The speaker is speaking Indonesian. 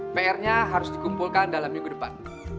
prnya harus dikumpulkan dalam minggu depan